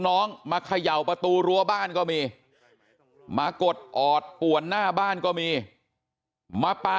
น้องมาเขย่าประตูรั้วบ้านก็มีมากดออดป่วนหน้าบ้านก็มีมาปลา